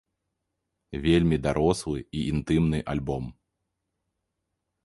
Вельмі дарослы і інтымны альбом.